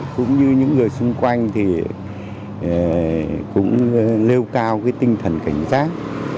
cũng như những người xung quanh thì cũng nêu cao cái tinh thần cảnh giác